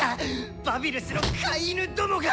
バビルスの飼い犬どもが！